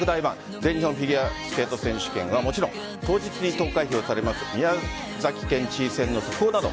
全日本フィギュアスケート選手権はもちろん当日に投開票される宮崎県知事選の速報など